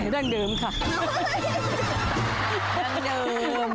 ดังเดิมดังเดิม